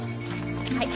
はい。